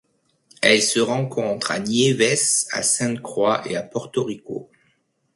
Elle se rencontre à Niévès, à Sainte-Croix et à Porto Rico.